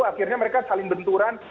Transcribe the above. akhirnya mereka saling benturan